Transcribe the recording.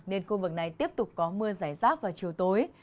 nên khu vực này tiếp tục có mưa giải rác vào chiều tối